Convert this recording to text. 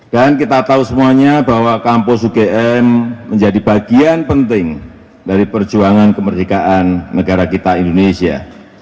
dan kita tahu semuanya bahwa kampus ugm menjadi bagian penting dari perjuangan kemerdekaan negara kita indonesia